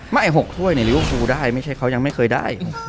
ไม่๖ถ้วยเนี่ยหรือว่าครูได้ไม่ใช่เค้ายังไม่เคยได้